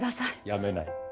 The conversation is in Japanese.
やめない。